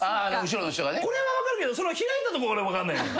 これは分かるけど開いたとこから分かんないのよ。